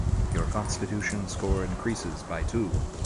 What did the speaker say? Your Constitution score increases by two.